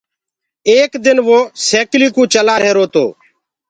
ايڪ دن وو سيڪلي ڪوُ چلآ رهيرو تو۔